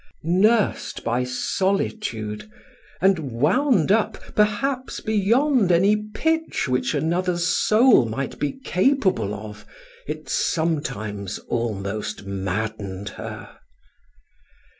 Nursed by solitude, and wound up, perhaps, beyond any pitch which another's soul might be capable of, it sometimes almost maddened her.